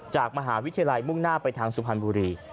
จากมหาวิทยาลัยมุ่งหน้าไปทางสุพรรณบุรี